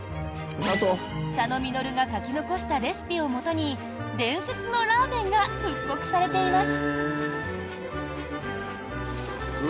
佐野実が書き残したレシピをもとに伝説のラーメンが復刻されています。